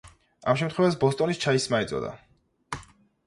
ამ შემთხვევას ბოსტონის ჩაის სმა ეწოდა.